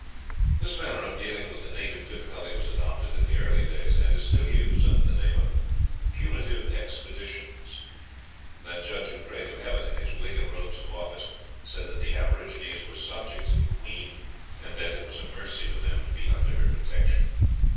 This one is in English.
This manner of dealing with the native difficulty was adopted in the early days, and is still used under the name of "punitive expeditions." That judge who prayed to heaven in his wig and robes of office, said that the aborigines were subjects of the Queen, and that it was a mercy to them to be under her protection.